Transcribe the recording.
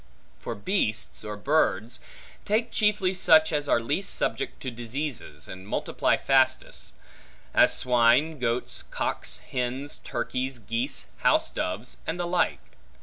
For beasts, or birds, take chiefly such as are least subject to diseases, and multiply fastest; as swine, goats, cocks, hens, turkeys, geese, house doves, and the like.